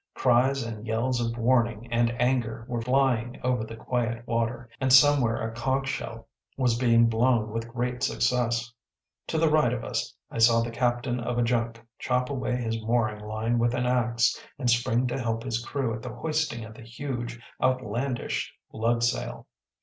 Cries and yells of warning and anger were flying over the quiet water, and somewhere a conch shell was being blown with great success. To the right of us I saw the captain of a junk chop away his mooring line with an axe and spring to help his crew at the hoisting of the huge, outlandish lug sail.